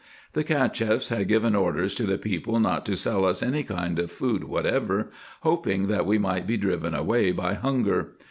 The Cacheffs had given orders to the people not to sell us any kind of food whatever, hoping that we might be driven away by hunger.